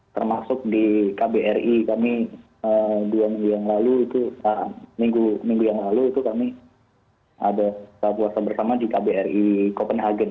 termasuk di kbri kami dua minggu yang lalu itu minggu minggu yang lalu itu kami ada puasa bersama di kbri copenhagen